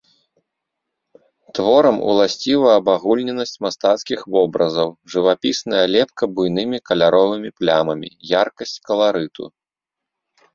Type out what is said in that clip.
Творам уласціва абагульненасць мастацкіх вобразаў, жывапісная лепка буйнымі каляровымі плямамі, яркасць каларыту.